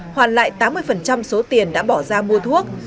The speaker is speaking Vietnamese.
hoàn lại tám mươi số tiền đã bỏ ra mua thuốc